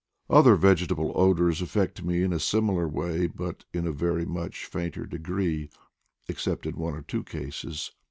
Other vegetable odors affect me in a similar way, but in a very much fainter degree, except in one or two cases.